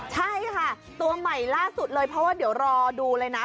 ใช่ค่ะตัวใหม่ล่าสุดเลยเพราะว่าเดี๋ยวรอดูเลยนะ